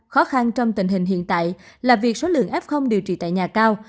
khó khăn trong tình hình hiện tại là việc số lượng f điều trị tại nhà cao